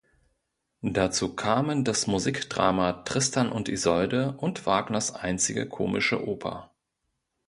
Dazu kamen das Musikdrama "Tristan und Isolde" und Wagners einzige komische Oper.